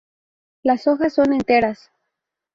Las hojas son enteras.